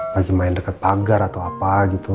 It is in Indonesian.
lagi main dekat pagar atau apa gitu